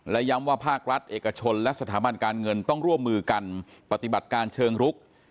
และย้ำว่าภาครัฐเอกชนและสถาบันการเงินต้องร่วมมือกันปฏิบัติการเชิงรุก